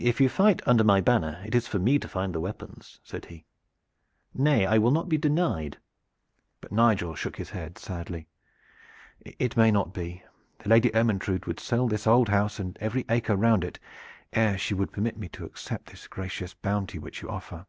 "If you fight under my banner it is for me to find the weapons," said he. "Nay, I will not be denied." But Nigel shook his head sadly. "It may not be. The Lady Ermyntrude would sell this old house and every acre round it, ere she would permit me to accept this gracious bounty which you offer.